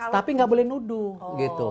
tapi nggak boleh nuduh gitu